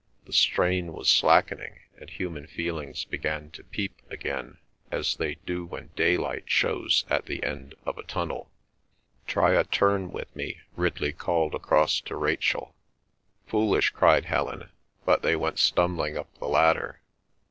The strain was slackened and human feelings began to peep again, as they do when daylight shows at the end of a tunnel. "Try a turn with me," Ridley called across to Rachel. "Foolish!" cried Helen, but they went stumbling up the ladder.